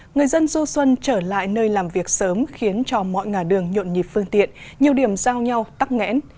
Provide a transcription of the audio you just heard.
người dân du xuân trở lại nơi làm việc sớm khiến cho mọi ngả đường nhộn nhịp phương tiện nhiều điểm giao nhau tắt nghẽn